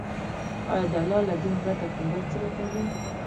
آيا د الله له دين پرته كوم بل څه لټوي،